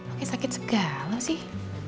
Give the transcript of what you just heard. oke sakit segala sih